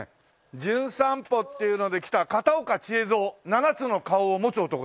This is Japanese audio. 『じゅん散歩』っていうので来た片岡千恵蔵七つの顔を持つ男です。